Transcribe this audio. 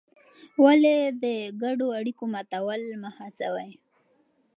ولې د ګډو اړیکو ماتول مه هڅوې؟